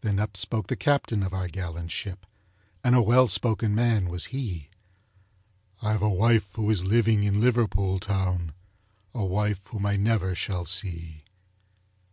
Then up spoke the captain of our gallant ship, And a well spoken man was he: "I've a wife who is living in Liverpool town, A wife whom I never shall see."